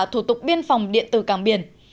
thủ tục biên phòng điện từ cảng biển